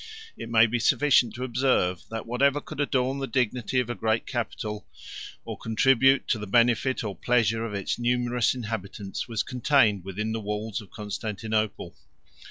It may be sufficient to observe, that whatever could adorn the dignity of a great capital, or contribute to the benefit or pleasure of its numerous inhabitants, was contained within the walls of Constantinople.